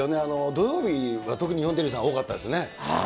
土曜日は特に日本テレビさん、多かったですね。